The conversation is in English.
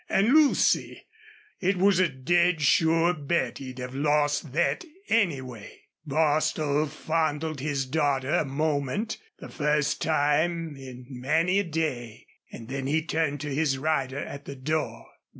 An', Lucy, it was a dead sure bet he'd have lost thet anyway." Bostil fondled his daughter a moment, the first time in many a day, and then he turned to his rider at the door.